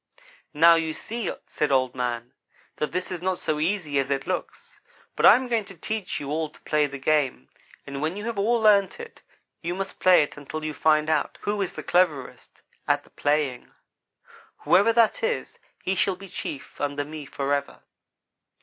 "'Now, you see,' said Old man, 'that this is not so easy as it looks, but I am going to teach you all to play the game; and when you have all learned it, you must play it until you find out who is the cleverest at the playing. Whoever that is, he shall be chief under me, forever.'